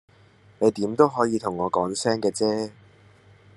你點都可以同我講聲嘅啫